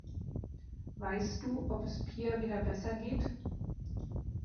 Weißt du ob es Pia wieder besser geht?